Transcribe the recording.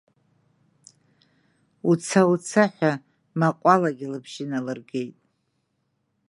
Уца, уца ҳәа Маҟвалагьы лыбжьы налыргеит.